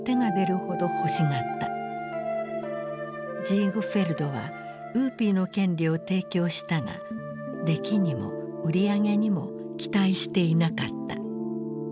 ジーグフェルドは「ウーピー」の権利を提供したが出来にも売り上げにも期待していなかった。